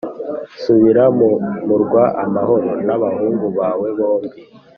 Subira mu murwa amahoro n’abahungu bawe bombi